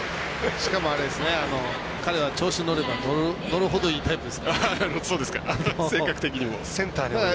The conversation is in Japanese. しかも彼は調子に乗れば乗るほどいいタイプですから。